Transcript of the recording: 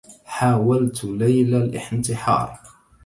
حاولت ليلى الانتحار.